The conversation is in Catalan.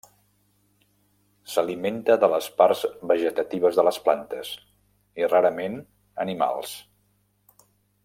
S'alimenta de les parts vegetatives de les plantes i, rarament, animals.